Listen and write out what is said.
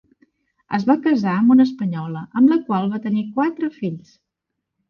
Es va casar amb una espanyola, amb la qual va tenir quatre fills.